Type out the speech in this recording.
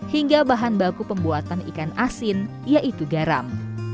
hingga bahan baku pembuatan ikan asin yaitu garam